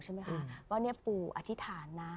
ว่าปู่อธิษฐานนะ